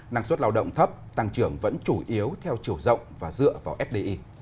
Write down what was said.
năng suất lao động thấp tăng trưởng vẫn chủ yếu theo chiều rộng và dựa vào fdi